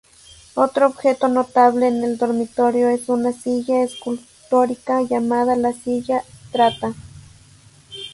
Otro objeto notable en el dormitorio es una silla escultórica llamada la silla Strata.